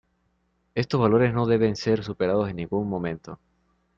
Estos valores no deben ser superados en ningún momento.